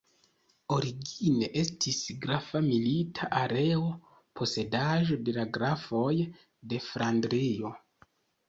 Origine estis grafa milita areo, posedaĵo de la grafoj de Flandrio.